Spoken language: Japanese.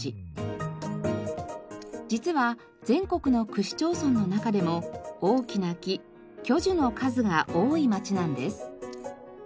実は全国の区市町村の中でも大きな木巨樹の数が多い町なんです。